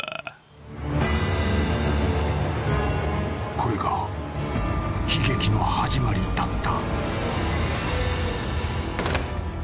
［これが悲劇の始まりだった］